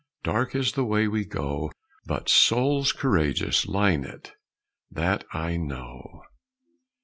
Dark is the way we go, But souls courageous line it that I know!